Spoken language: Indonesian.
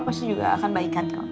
pasti juga akan baikan